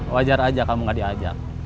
wajar aja kamu gak diajak